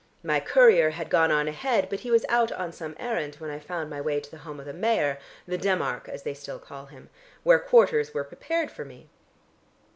My courier had gone on ahead, but he was out on some errand when I found my way to the home of the Mayor the Demarch, as they still call him where quarters were prepared for me.